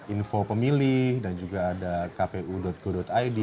info pemilih dan juga ada kpu go id